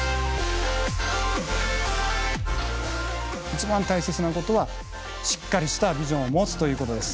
一番大切なことはしっかりしたビジョンを持つということです。